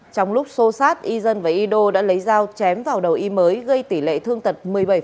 trong lúc xô xát izan và ido đã lấy dao chém vào đầu i mới gây tỷ lệ thương tật một mươi bảy